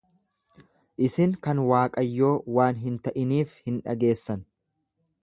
Isin kan Waaqayyoo waan hin ta'iniif hin dhageessan.